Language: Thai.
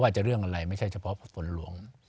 จะเรื่องอะไรไม่ใช่เฉพาะฝนหลวง